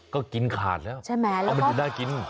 ก็กินขาดแล้วเอามันจะได้กิน